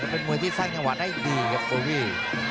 เป็นมวยที่สร้างจังหวะได้ดีครับโบวี่